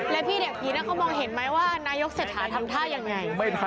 แล้วพี่เด็กกี๊น่าก็มองเห็นมั้ยว่านายกเสร็จหาทัพท่ายังไง